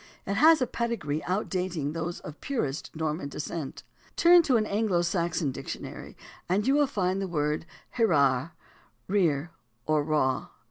It has a pedigree outdating those of purest Norman descent. Turn to an Anglo Saxon dictionary and you will find the word, "Hrere — rear or raw."